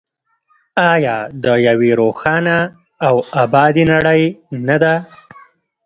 آیا د یوې روښانه او ابادې نړۍ نه ده؟